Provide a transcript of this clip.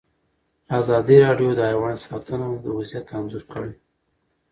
ازادي راډیو د حیوان ساتنه وضعیت انځور کړی.